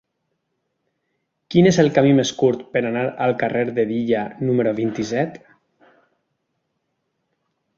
Quin és el camí més curt per anar al carrer d'Hedilla número vint-i-set?